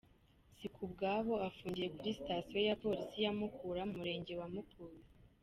Sikubwabo afungiye kuri sitasiyo ya polisi ya Mukura, mu Murenge wa Mukura.